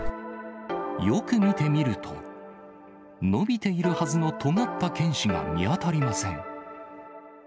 よく見てみると、伸びているはずのとがった犬歯が見当たりません。